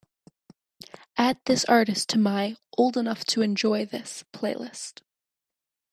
add this artist to my Old Enough To Enjoy This playlist